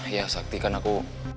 ya sakti kan aku